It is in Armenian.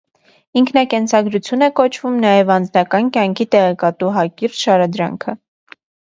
Ինքնակենսագրություն է կոչվում նաև անձնական կյանքի տեղեկատու հակիրճ շարադրանքը։